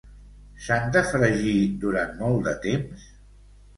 S'han de fregir durant molt de temps?